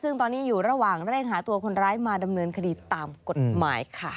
ซึ่งตอนนี้อยู่ระหว่างเร่งหาตัวคนร้ายมาดำเนินคดีตามกฎหมายค่ะ